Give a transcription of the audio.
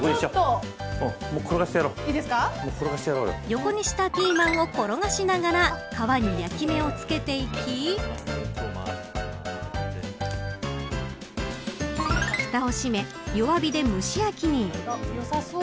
横にしたピーマンを転がしながら皮に焼き目を付けていきふたを閉め弱火で蒸し焼きに。